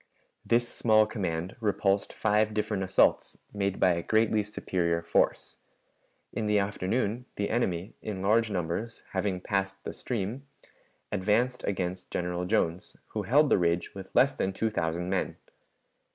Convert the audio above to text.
This small command repulsed five different assaults, made by a greatly superior force. In the afternoon the enemy, in large numbers, having passed the stream, advanced against General Jones, who held the ridge with less than two thousand men.